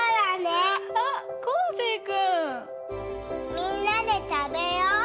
みんなでたべよう！